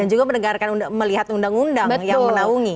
dan juga melihat undang undang yang melaungi